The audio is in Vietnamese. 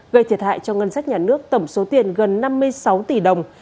gây thiệt hại cho ngân sách nhà nước tổng số tiền gần năm mươi sáu tỷ đồng